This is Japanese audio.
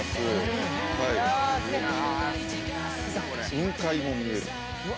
雲海も見える。